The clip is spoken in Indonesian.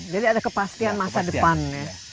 jadi ada kepastian masa depannya